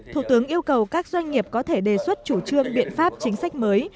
thủ tướng yêu cầu các doanh nghiệp có thể đề xuất chủ trương biện pháp chính sách mới